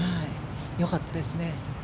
よかったですね。